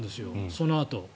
そのあと。